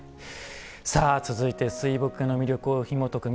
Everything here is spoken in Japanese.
さあ続いて水墨画の魅力をひもとく